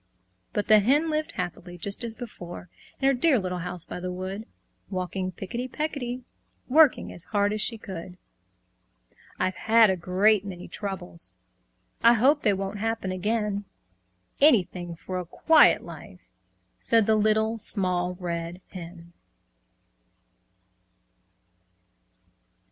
But the Hen lived happily, just as before, In her dear little house by the wood, Walking picketty pecketty, Working as hard as she could. "I've had a great many troubles! I hope they won't happen again; Anything for a quiet life!" Said the Little Small Red Hen.